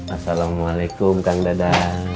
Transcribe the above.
assalamualaikum kang dadang